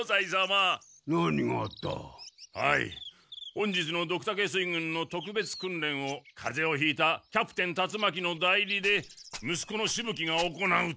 本日のドクタケ水軍の特別訓練をカゼをひいたキャプテン達魔鬼の代理で息子のしぶ鬼が行うと。